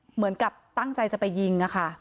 เหมือนกับตั้งใจจะไปยิงอะค่ะ